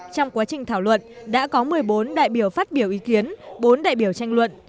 trong quá trình thảo luận đã có một mươi bốn đại biểu phát biểu ý kiến bốn đại biểu tranh luận